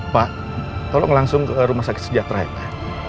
pak tolong langsung ke rumah sakit sejahtera ya pak